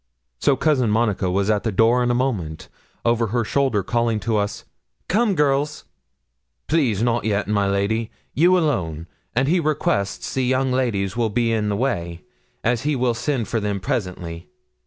So Cousin Monica was at the door in a moment, over her shoulder calling to us, 'Come, girls.' 'Please, not yet, my lady you alone; and he requests the young ladies will be in the way, as he will send for them presently.'